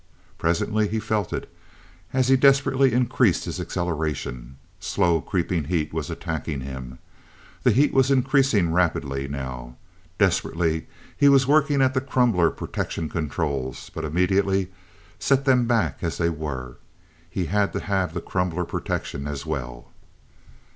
Presently he felt it, as he desperately increased his acceleration. Slow creeping heat was attacking him. The heat was increasing rapidly now. Desperately he was working at the crumbler protection controls but immediately set them back as they were. He had to have the crumbler protection as well